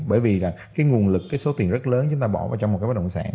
bởi vì là cái nguồn lực cái số tiền rất lớn chúng ta bỏ vào trong một cái bất động sản